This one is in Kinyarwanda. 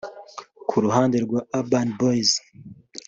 Ku ruhande rwa Urban Boys